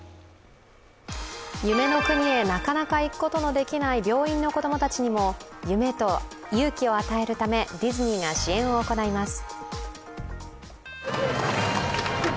夢の国へなかなか行くことのできない病院の子供たちにも夢と勇気を与えるためディズニーが支援を行います。